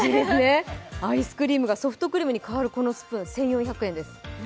アイスクリームがソフトクリームに変わるこのスプーン、１４００円です。